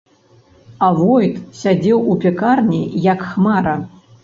А войт сядзеў у пякарні, як хмара.